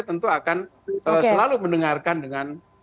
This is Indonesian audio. tentu akan selalu mendengarkan dengan